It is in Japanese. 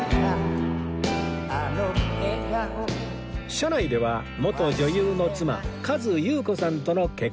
車内では元女優の妻和由布子さんとの結婚話に